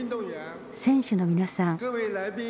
選手の皆さん。